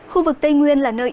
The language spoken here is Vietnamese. khu vực tây nguyên là nơi